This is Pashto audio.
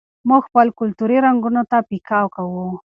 موږ خپل کلتوري رنګونه نه پیکه کوو.